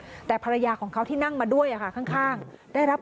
จะไปโรงลำครับ